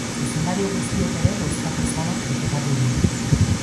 Zuzendari guztiek ere bozkatu izana kritikatu du.